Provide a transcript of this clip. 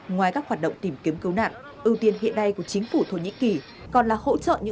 ngoài các hoạt động tìm kiếm cứu nạn ưu tiên hiện nay của chính phủ thổ nhĩ kỳ còn là hỗ trợ những